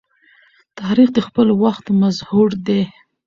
تاریخ د خپل وخت مظهور دی.